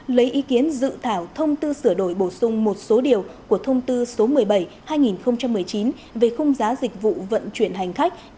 lấy ý kiến dự thảo thông tư sửa đổi bổ sung một số điều của thông tư số một mươi bảy hai nghìn một mươi chín về khung giá dịch vụ vận chuyển hành khách